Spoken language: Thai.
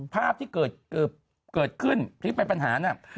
ภาพที่เกิดขึ้นที่เป็นปัญหาน่ะ